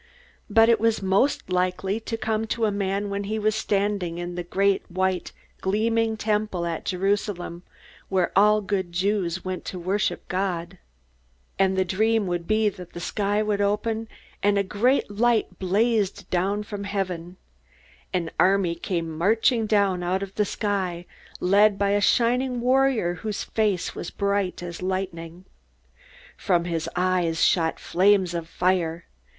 But it was most likely to come to a man when he was standing in the great, white, gleaming Temple at Jerusalem, where all good Jews went to worship God. And the dream would be that the sky opened, and a great light blazed down from heaven. An army came marching down out of the sky, led by a shining warrior whose face was bright as lightning. From his eyes shot flames of fire.